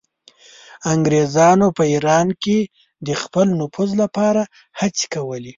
انګریزانو په ایران کې د خپل نفوذ لپاره هڅې کولې.